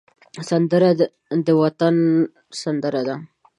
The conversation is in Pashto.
سندره د وطن سندره ده